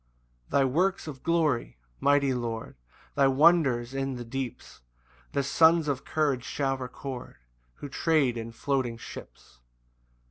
1 Thy works of glory, mighty Lord, Thy wonders in the deeps, The sons of courage shall record Who trade in floating ships.